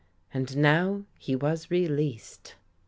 And now he was released.